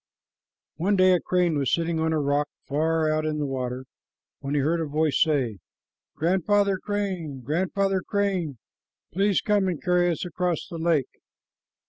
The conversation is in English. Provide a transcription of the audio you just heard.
One day a crane was sitting on a rock far out in the water, when he heard a voice say, "Grandfather Crane, Grandfather Crane, please come and carry us across the lake."